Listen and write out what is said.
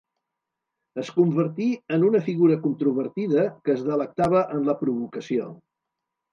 Es convertí en una figura controvertida que es delectava en la provocació.